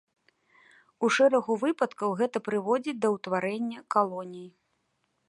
У шэрагу выпадкаў гэта прыводзіць да ўтварэння калоній.